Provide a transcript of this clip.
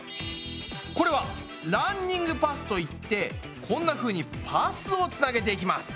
これはランニングパスといってこんなふうにパスをつなげていきます。